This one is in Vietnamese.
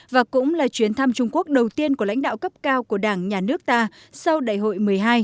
và cũng là chuyến thăm trung quốc đầu tiên của lãnh đạo cấp cao của đảng nhà nước ta sau đại hội một mươi hai